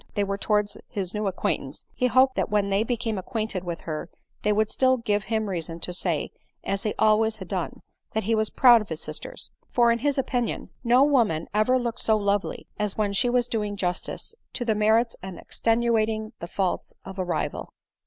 87 they were towards his new acquaintance, he hoped that when they became acquainted with her they would still give him reason to say, as he always had done, that he was proud of his sisters ; for, in his opinion, no woman ever looked so lovely, as when she was doing justice to the merits and extenuating the faults of a rival.